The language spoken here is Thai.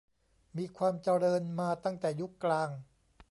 มีความเจริญมาตั้งแต่ยุคกลาง